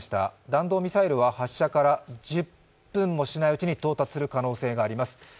弾道ミサイルは発射から１０分もしないうちに到達する可能性があります。